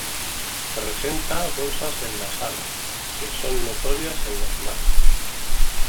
Presenta bolsas en las alas, que son notorias en los machos.